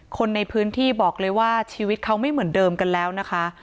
คนในพื้นที่บอกเลยว่าชีวิตเขาไม่เหมือนเดิมกันแล้วนะคะ